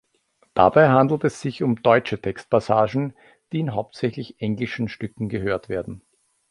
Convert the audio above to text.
Dabei handelt es sich um deutsche Textpassagen, die in hauptsächlich englischen Stücken gehört werden.